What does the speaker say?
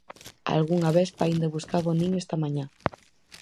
Algunha avespa aínda buscaba o niño esta mañá.